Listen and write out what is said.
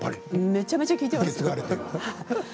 めちゃくちゃ効いてますよ。